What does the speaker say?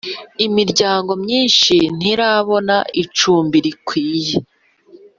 imiryango myinshi ntirabona icumbi rikwiye.